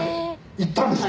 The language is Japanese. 行ったんですか？